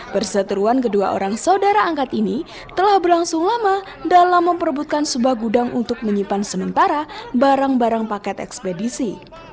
perseteruan kedua orang saudara angkat ini telah berlangsung lama dalam memperebutkan sebuah gudang untuk menyimpan sementara barang barang paket ekspedisi